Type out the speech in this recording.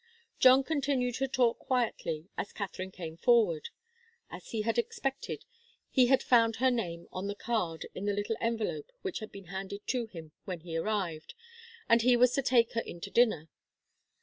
John continued to talk quietly, as Katharine came forward. As he had expected, he had found her name on the card in the little envelope which had been handed to him when he arrived, and he was to take her in to dinner.